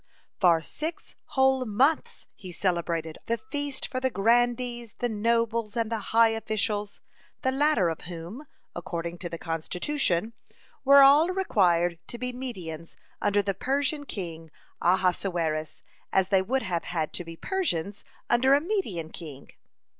For six whole months he celebrated the feast for the grandees the nobles and the high officials, the latter of whom, according to the constitution, were all required to be Medians under the Persian king Ahasuerus, as they would have had to be Persians under a Median king.